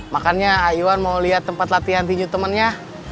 makanya ayo mau liat tempat latihan tinju temennya